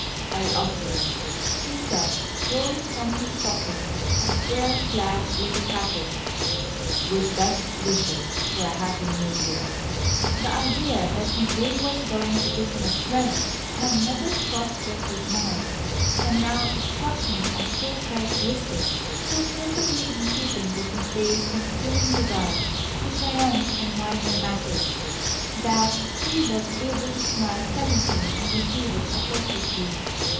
I offer it," he said, drawing from his pocket a square flat little package, "with best wishes for a happy New Year." [Illustration: "I Have Here A Slight Token, In Honor Of The Day"] The idea that McVay was going to give him a present had never crossed Geoffrey's mind, and now it struck him as so characteristic, so perfectly in keeping with McVay's consuming desire to triumph in minor matters, that he was able to smile pleasantly and receive it appropriately.